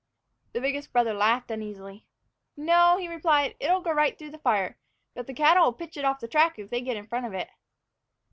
The biggest brother laughed uneasily. "No," he replied, "it'll go right through the fire; but the cattle'll pitch it off the track if they get in front of it."